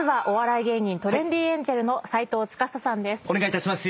お願いいたします。